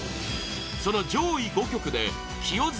その上位５曲で清塚